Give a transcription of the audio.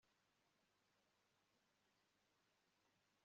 hari n'undi ukubera incuti mugasangira utwawe